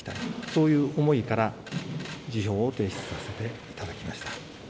そういう思いから辞表を提出させていただきました。